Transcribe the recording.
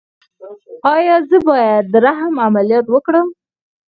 ایا زه باید د رحم عملیات وکړم؟